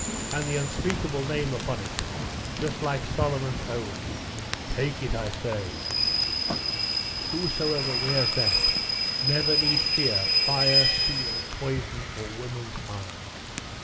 And the unspeakable name upon it; just like Solomon's own. Take it, I say! Whosoever wears that never need fear fire, steel, poison, or woman's eye.